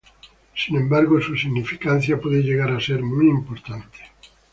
Sin embargo, su significancia puede llegar a ser muy importante.